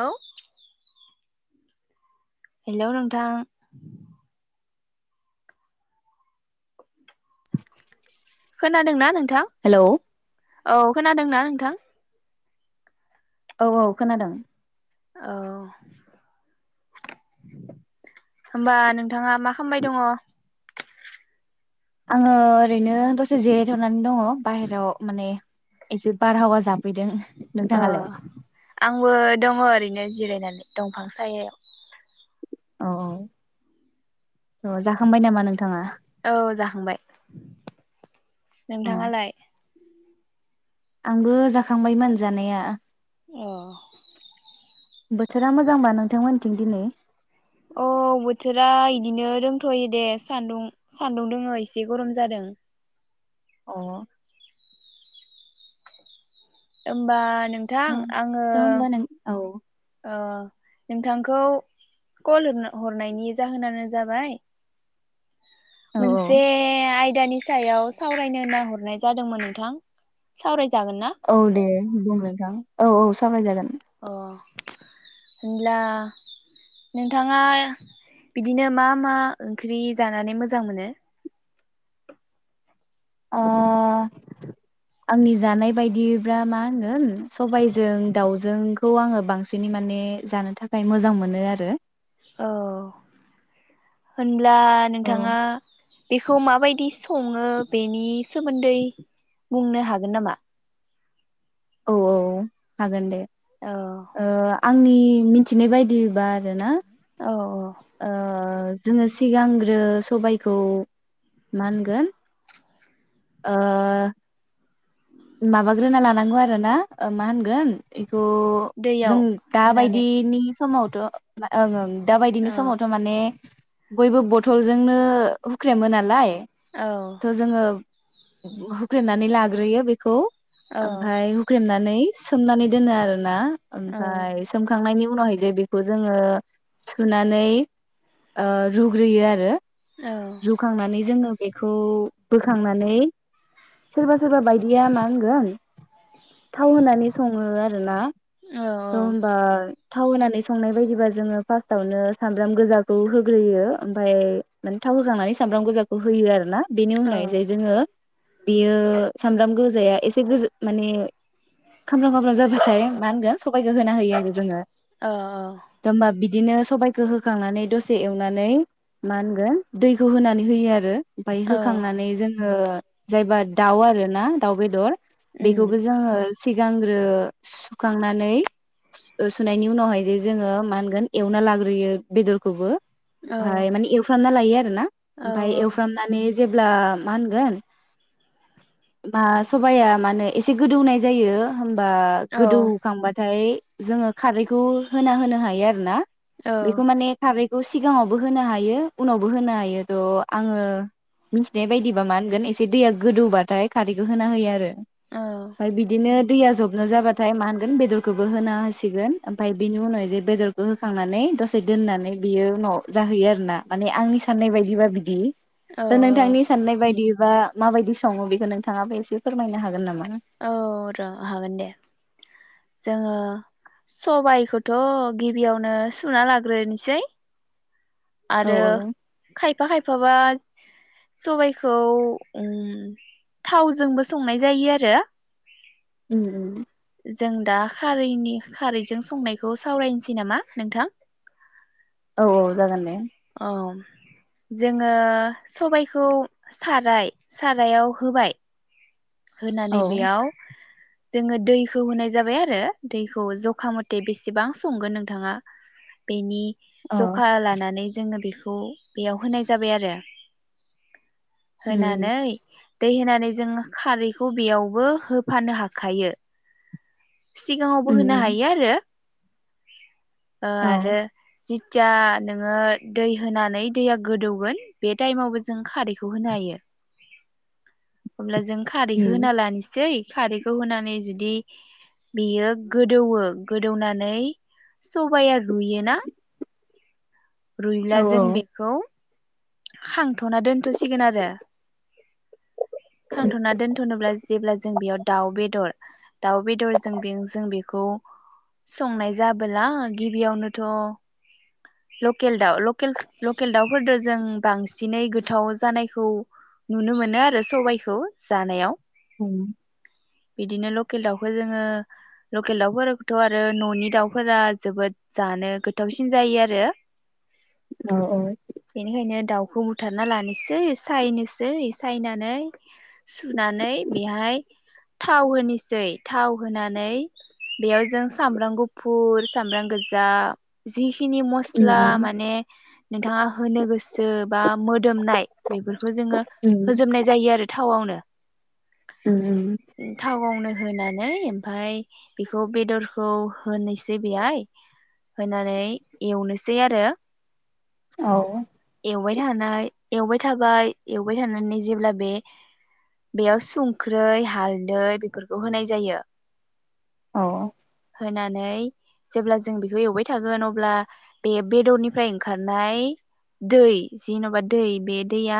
औ हेलौ नोंथां [unintelligible] खोनादों ना नोंथां? हेलौ औ खोनादों ना नोंथां? औ औ खोनादों। औ होमबा नों नोंथाङा मा खामबाय दङ? आङो ओरैनो दसे जिरायथनानै दङ। बाहेराव माने एसे बारहावा जाफैदों। अ नोंथाङालाय? आंबो दङ ओरैनो जिरायनानै दंफां सायहायाव। औ औ जाखांबाय नामा नोंथाङा? औ जाखांबाय। नोंथाङालाय? आंबो जाखांबायमोन जानाया। अ बोथोरा मोजांबा नोंथांमोनथिं दिनै? औ बोथोरा इदिनो रोंथयो दे सान्दुं सान्दुं दोङो एसे गरम जादों। अ ओमबा थ' नोंथां आङो थ' होमबा नों औ ओ नोंथांखौ कल हरनायनि जाहोनानो जाबाय। मोनसे आइ दानि सायाव सावरायनो होनना हरनाय जादोंमोन नोंथां। सावराय औ दे बुं नोंथां औ औ सावराय जागोन। अ होनब्ला नोंथाङा बिदिनो मा मा ओंख्रि जानानै मोजां मोनो? ओ आंनि जानाय बायदिबा मा होनगोन सबायजों दाउजोंखौ आङो बांसिनै माने जानो थाखाय मोजां मोनो आरो। औ होन ब्ला औ नोंथाङा बेखौ माबायदि सङो बेनि सोमोन्दै बुंनो हागोन नामा औ औ‌ हागोन दे औ ओ आंनि मिथिनाय बायदिबा आरो ना औ औ ओ जोङो सिगांग्रो सबायखौ मा होनगोन ओ माबाग्रोना लानांगौ आरो ना मा होनगोन थ' दैयाव जों होनानै दााबायदिनि समाव ओंं ओं दा बायदिनि औ समावथ' माने बयबो बथलजोंनो हुख्रेमो नालाय औ थ' जोङो होख्रेमनानै लाग्रोयो बे खौ औ ओमफाय हुख्रेमनानै सोमनानै दोनो आरो ना औ ओमफाय सोमखांनायनि उनावहैजायो बेखौ जोङो सुनानै ओ रुग्रोयो आरो औ रुखांनानै जोङो बेखौ बोखांनानै सोरबा सोरबा बायदि दिया मा होनगोन थाव होनानै सङो आरो ना औ थ होमबा थाव होनानै संनाय बायदिबा जोङो फार्स्टावनो सामब्राम गोजाखौ होग्रोयो ओमफफ्राय माने थाव होखांनानै सामब्राम गोजाखौ होयो आरो ना बेनि औ उनाव जाय जोङो बियो सामब्राम गोजाया एसे गोज माने खाम्राम खाम्राम जाबाथाय मा होनगोन सबाइखौ होना होयो आरो जोङो अ अ होमबा बिदिनो सबाइखौ होखांनानै दसे एवनानै मा होनगोन दैखौ होनानै होयो आरो ओमफाय औ होखांनानै जों ओ जायबा दाउ आरो ना दाउ बे दर उम बेखौबो जोङो। सिगांग्रो सुखांनानै सुनायनि उनावहाय जे जोङो मा होनगोन एवना लाग्रोयो बेदरखौबो। औ ओमफाय माने एवफ्रामना लायो। यो आरो ना। औ ओमफाय एवफ्रामनानै जेब्ला मा होनगोन। बा सबाया माने एसे गोदौनाय जायो। बा औ गोदौखांबाथाय जोङो खारैखौ होना होनो हायो आरो ना? औ बेखौ माने खारै। बेखौ सिगाङावबो होनो हायो उनावबो होनो हायो थ' आङो मिथिनाय बायदिबा मा होनगोन एसे दैया गोदौबाथाय। खारैखौ होना होयो आरो। ओमफाय बिदिनो। दैया जबनो जाबाथाय मा होनगोन बेदरखौबो होना होसिगोन ओमफफ्राय बिनि उनावह जे बेदरखौ होखांनानै दसे दोननानै बियो उन' जाहोयो आरो ना माने आंनि साननाय बायदिबा बिदि औ दा नोंथांनि साननाय बायदि बा माबायदि सङो बेखौ नोंथ थाङाबो एसे फोरमायनो हागोन नामा? औ र' हागोन दे। जोङो सबाइखौथ' गिबियावनो सुना लाग्रोनोसै औ आरो खायफा खायफाबा सबायखौ उम थावजोंबो संनाय जायो आरो। उम उम जों दा खारैनि खारैजों संनायखौ सावरायनोसै नामा नोंथां? औ औ जागोन दे। औ जोङो सबायखौ साराय सारायाव होबाय। औ होनानै बेयाव जोङो दैखौ होनाय जाबाय आरो दैखौ जखा मथे बेसेबां संगोन नोंथाङा बेनि औ जखा लानानै जोङो बेखौ। खौ बेयाव होनाय जाबाय आरो। उम उम होनानै दैे होनानै जोङो। खारैखौ बेयावबो होफानो हाखायो। सिगाङावबो होनो उम हायो आरो। ओ औ आरो जिथिया नोङो दै होनानै दैया गोदौगोन बे टाइमावबो जों खारैखौ होनो हायो होनब्ला जों खारैखौ उम होना लानोसै खारैखौ होनानै जुदि बेयो गोदौवो गोदौनानै सबाया रुयोना रुइब्ला औ जों बेखौ खां थ'ना दोनथ'सिगोन आरो खांथ'ना दोनथ'नोब्ला जेब्ला जों बेयाव दाउ बेदर दाउ बेदरजों बे जों बेखौ संनाय जाबोला गिबियावनोथ' लकेल दाउ लकेल दाउफोरदो जों बांसिनै गोथाव जानायखौ नुनो मोनो आरो सबायखौ जानायाव औ बिदिनो लकेल दाउखौ जोङो लकेल दाउथ' आरो न'नि दाउफोरा जोबोद जानो गोथावसिन जायो आरो औ औ बेनिखायनो दाउ खौ बुथारना लानोसै सायनोसै सायनानै सुनानै बेहाय थाव होनोसै थाव होनानै बेयाव जों सामब्राम गुफुर सामब्राम गोजा जिखिनि उम ला माने नोंथाङा होनो गोसो बा मोदोमनाय बेफोरखौ जोङो उम होजोबनाय जायो आरो थावआवनो उम उम थावावनो होनानै ओमफ्राय बेखौ बेदरखौ होनोसै बेहाय होनानै एवनो सै आरो औ एवबाय थानाय एवबाय थाबाय एवबाय थानानै जेब्ला बे बेयाव संख्रै हालदै बेफोरखौ होनाय जायो औ होनानै जेब्ला जों बेखौ एवबाय थागोन अब्ला बे बेदरनिफ्राय ओंखारनाय दै जेन'बा दै बे दैया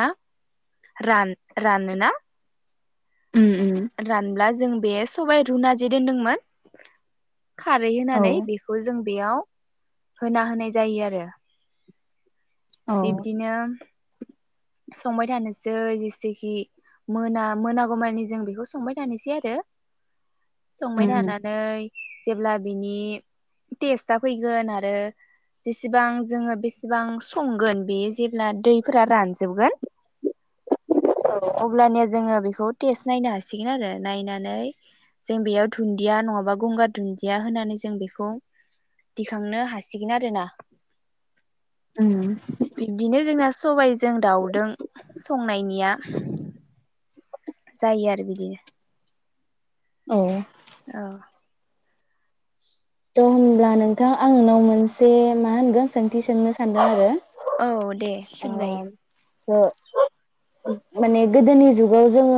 रान रानो ना उम उम रानब्ला जों बे सबाइ रुना जे दोनदोंमोन खारै औ होनानै बेखौ जों बेयाव होना होनाय जायो आरो औ उम बिबदिनो संबाय थानोसै जेसेखि मोना मोनागौमानि जों बेखौ संबाय थानोसै आरो संबाय उम थानानै जेब्ला बिनि टेस्टआ फैगोन आरो जेसेबां जोङो बेसेबां संगोन बेयो जेब्ला दैफोरा रान जोबगोन अब्लानिया जोङो बे खौ टेस्ट नायनो हासिगोन आरो नायनानै जों बेयाव दुनदिया नङाबा गंगार दुनदिया होनानै जों बेखौ दिखांनो हासिगोन आरोना उम बिबदिनो जोंना सबाइ दाउदों संनायनिया जायो आरो बिदिनो औ औ त' होमब्ला नोंथां आं नोंनाव मोनसे मा होनगोन सोंथि सोंनो सानदों आरो औ दे सोंजायो ओ माने गोदोनि जुगाव जोङो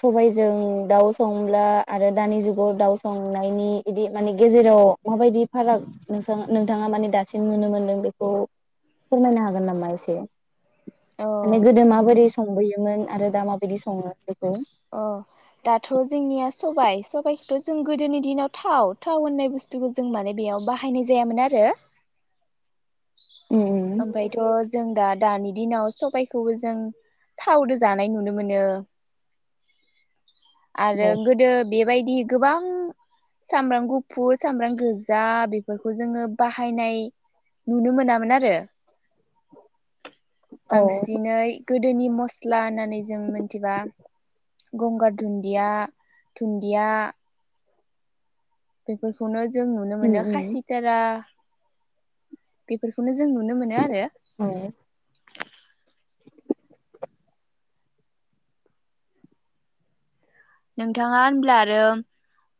सबाइजों दाउ संब्ला आरो दानि जुगाव दाउ संनायनि इदि माने गेजेराव माबायदि फाराग नों नोंथाङा माने दासिम नुनो मोनदों बेखौ फोरमायनो हागोन नामा एसे औ माने गोदो माबोरै संबोयोमोन आरो दा माबायदि सङो बेखौ अ दाथ' जोंनिया सबाइ सबाइखौथ' जों गोदोनि दिनाव थाव थाव होननाय बुस्थुखौ जों माने बेयाव बाहायनाय जायामोन आरो औ ओमफ्रायथ' जों दा दानि दिनाव सबायखौबो जों थावदो जानाय नुनो मोनो आरो औ गोदो बे बेबायदि गोबां सामब्राम गुफुर सामब्राम गोजा बेफोरखौ जोङो बाहायनाय नुनो मोनामोन आरो औ बांसिनै गोदोनि मस्ला होननानै जों मोनथिबा गंगार दुनदिया दुनदिया बेफोरखौनो जों नुनो मोनो खासिथारा बेफोरखौनो जों नुनो मोनो आरो औ नोंथाङा होनब्ला आरो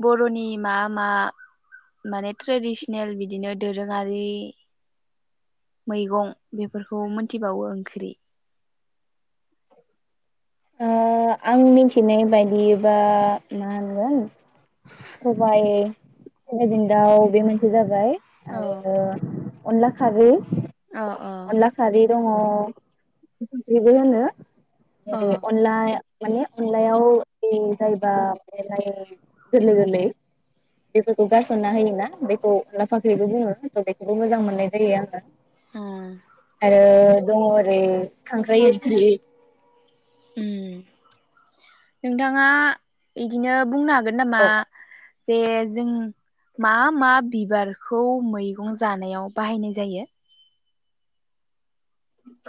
बर'नि मा मा माने ट्रेडिसनेल बिदिनो दोरोङारि मैगं बेफोरखौ मोनथिबावो ओंख्रि ओ आं मिनथिनाय बायदिबा मा होनगोन सबाइ सबाइजों दाउ बे मोनसे जाबाय औ आरो अनला खारै अ अ अनला खारै दङ बेबो होनो अ जे अनला माने अनलायाव बे जायोबा बिलाइ गोरलै गोरलै बेफोरखौ गारसनना होयोना बेखौ लाफा खारै बुङो थ' बेखौबो मोजां मोननाय जायो आङो ओ आरो दङ ओरै खांख्राइ इंख्रि उ नोंथाङा इदिनो बुंनो हागोन नामा औ जे जों मा मा बिबारखौ मैगं जानायाव बाहायनाय जायो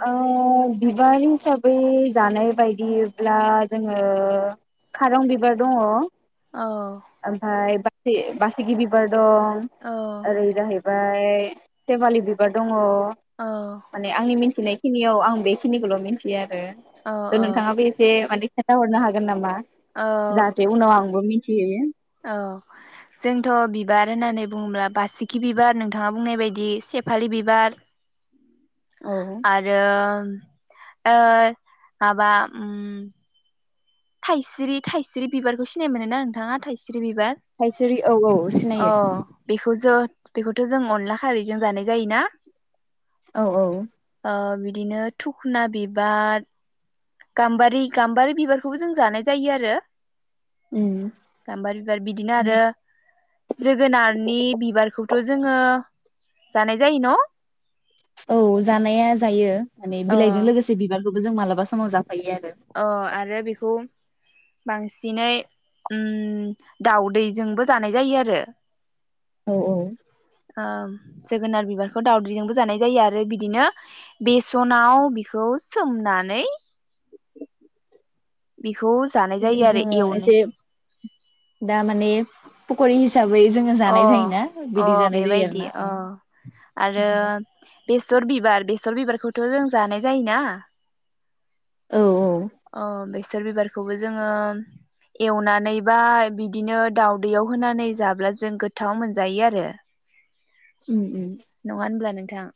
ओ बिबार हिसाबै जानाय बायदिब्ला जोङो खारं बिबार दङ औ ओमफाय बा [unintelligible] बासिगि बिबार दं औ ओरै जाहै बाय सेवालि बिबार दङ औ मिनथिनाय खिनियाव आं बेखिनिखौल' मिथियो आरो औ ओ नोंथाङाबो एसे माने खोनथा हरनो हागोन नामा? औ जाथे उनाव आंबो मि थिहैयो ओ जोंथ' बिबार होननानै बुङोब्ला बासिखि बिबार नोंथाङा बुंनाय बायदि सेफालि बिबार औ आरो ओ माबा उम थाइस्रि थाइस्रि बिबारखौ सिनाय मोनोना नोंथाङा थाइसि स्रि बिबार थायसुरि औ औ अ सिनायो बेखौ जो बेखौथ' जों अनला खारैजों जानाय जायोना? औ औ ओ बिदिनो थुखना बिबार गाम्बारि गाम्बारि बिबारखौबो जों जानाय जायो आरो उम गाम्बारि बिबार बिदिनो माने आरो जोगोनारनि बिबारखौ थ' जोङो जानाय जायो न? औ जानाया जायो माने अ बिलाइजों लोगोसे बिबार खौबो जों माबा समाव जा अ आरो बिखौ बांसिनै उम दाउदैजोंबो जानाय जायो आरो औ औ ओम जोगोनार बिबारखौ दावदैजोंबो जानाय जायो आरो बिदिनो बेसनाव बिखौ सोमनानै बेखौ जानाय जायो आरो जोङो एवनो एसे दा माने फखरि हिसा अ अ जायो बेबायदि आरोना अ ओं आरो बेसर बि बिबार बेसर बिबारखौथ' जों जानाय जायोना औ औ अ बेस सर बिबारखौबो जोङो एवनानै बा बिदिनो दाउदैयाव होनानै जाब्ला जों गोथाव मोनजायो आरो उम उम थां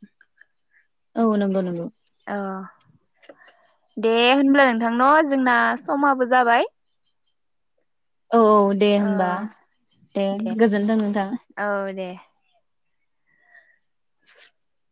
औ नंगौ नंगौ। अ दे होनब्ला नोंथां न जोंना समाबो जाबाय। औ दे औ होमबा दे गोजोनथों नोंथां। औ दे [inaudible]